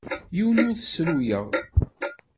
Yiwen ur t-ssruyeɣ.